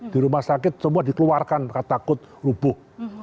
di rumah sakit semua dikeluarkan takut rubuh